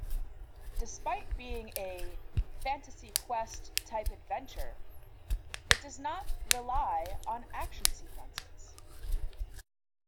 Despite being a "fantasy quest type adventure", it does not rely on action sequences.